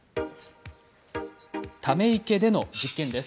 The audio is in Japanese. ため池での実験です。